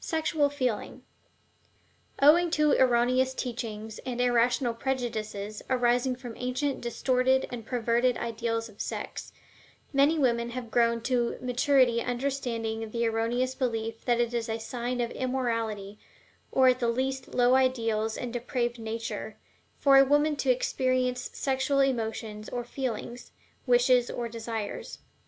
SEXUAL FEELING. Owing to erroneous teachings, and irrational prejudices arising from ancient distorted and perverted ideals of sex, many women have grown to maturity under the erroneous belief that it is a sign of immorality, or at least low ideals and depraved nature, for a woman to experience sexual emotions or feelings, wishes or desires.